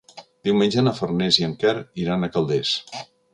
Diumenge na Farners i en Quer iran a Calders.